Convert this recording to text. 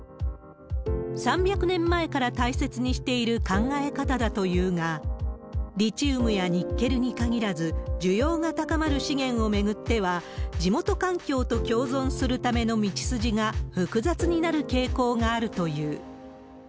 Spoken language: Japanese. ３００年前から大切にしている考え方だというが、リチウムやニッケルに限らず、重要が高まる資源を巡っては、地元環境と共存するための道筋が複雑になる傾向があるという。